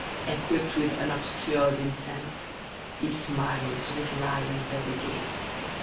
[1251 Equipped with unobscured intent He smiles with lions at the gate.